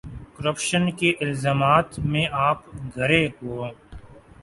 Corruption کے الزامات میں آپ گھرے ہوں۔